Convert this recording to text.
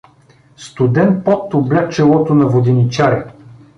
Студен пот обля челото на воденчаря.